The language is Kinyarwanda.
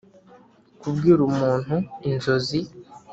kubwira umuntu inzozi